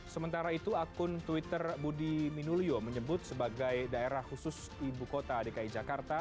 sementara itu akun twitter budi minulio menyebut sebagai daerah khusus ibu kota dki jakarta